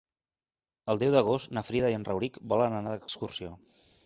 El deu d'agost na Frida i en Rauric volen anar d'excursió.